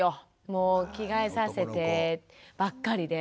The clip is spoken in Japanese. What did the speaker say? もう「着替えさせて」ばっかりで。